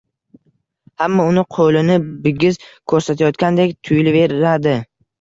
Hamma uni qoʻlini bigiz koʻrsatayotgandek tuyilaveradi